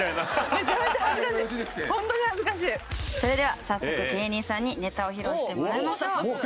それでは早速芸人さんにネタを披露してもらいましょう。